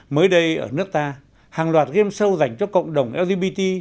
mới đây ở nước ta hàng loạt game show dành cho cộng đồng lgbt